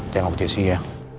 jangan kejasi ya